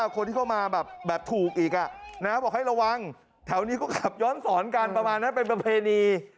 คนที่เข้ามาแบบถูกอีกบอกให้ระวังแถวนี้ก็ขับย้อนสอนกันประมาณนั้นเป็นประเพณี